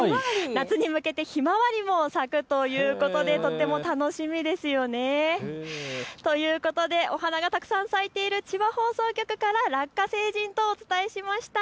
夏に向けてヒマワリも咲くということでとっても楽しみですよね。ということでお話がたくさん咲いている千葉放送局からラッカ星人とお伝えしました。